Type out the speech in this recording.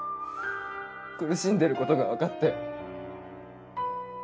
苦しんでることが分かって。